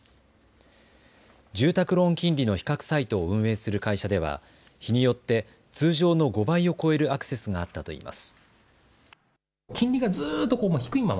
住宅ローン金利の比較サイトを運営する会社では日によって通常の５倍を超えるアクセスがあったと言います。